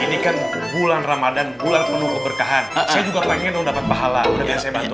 ini kan bulan ramadhan bulan penuh keberkahan saya juga pengen dong dapat pahala udah saya bantu